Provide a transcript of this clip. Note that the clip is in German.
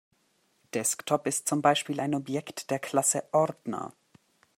Desktop ist zum Beispiel ein Objekt der Klasse Ordner.